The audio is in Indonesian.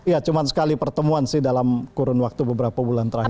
ya cuma sekali pertemuan sih dalam kurun waktu beberapa bulan terakhir